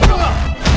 kalian gak akan nyesel